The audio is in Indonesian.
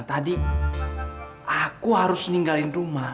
tadi aku harus ninggalin rumah